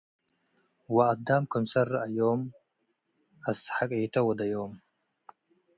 ወአዳም ክምሰል ረአዮም አሰሐቂቶ ወደዮም።